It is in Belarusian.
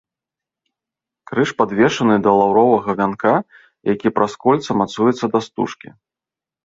Крыж падвешаны да лаўровага вянка, які праз кольца мацуецца да стужкі.